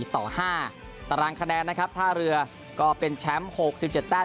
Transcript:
ต่อ๕ตารางคะแนนนะครับท่าเรือก็เป็นแชมป์๖๗แต้ม